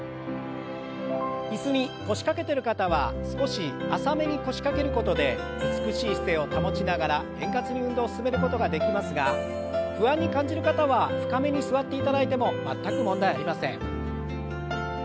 椅子に腰掛けてる方は少し浅めに腰掛けることで美しい姿勢を保ちながら円滑に運動を進めることができますが不安に感じる方は深めに座っていただいても全く問題ありません。